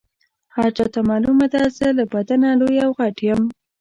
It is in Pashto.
هر چاته معلومه ده زه له بدنه لوی او غټ یم.